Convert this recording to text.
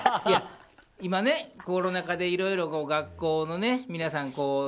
今コロナ禍でいろいろ学校の皆さん